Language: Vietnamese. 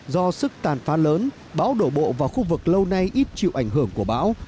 do sức tàn phá lớn bão đổ bộ vào khu vực lâu nay ít chịu ảnh hưởng của bão